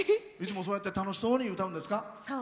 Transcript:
いつもそうやって楽しそうに歌うんですか？